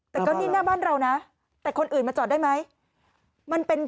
แต่ก็นี่หน้าบ้านเรานะแต่คนอื่นมาจอดได้ไหม